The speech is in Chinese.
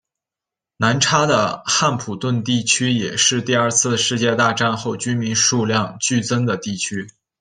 南叉的汉普顿地区也是第二次世界大战后居民数量剧增的地区。